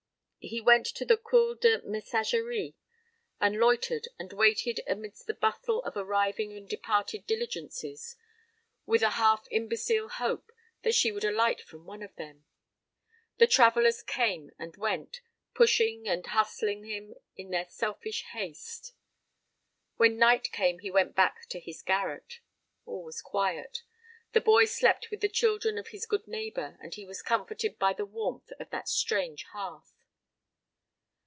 He went to the Cour de Messageries, and loitered and waited amidst the bustle of arriving and departing diligences, with a half imbecile hope that she would alight from one of them. The travellers came and went, pushing and hustling him in their selfish haste. When night came he went back to his garret. All was quiet. The boy slept with the children of his good neighbour, and was comforted by the warmth of that strange hearth.